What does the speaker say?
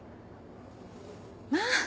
まあ！